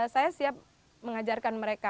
saya siap mengajarkan mereka